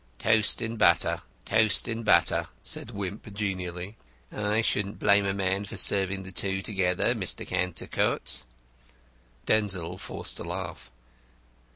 "Toast and butter, toast and butter," said Wimp, genially. "I shouldn't blame a man for serving the two together, Mr. Cantercot." Denzil forced a laugh.